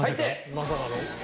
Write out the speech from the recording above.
まさかの？